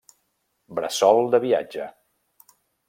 Bressol de viatge.